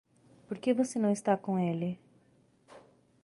Por que você não está com ele?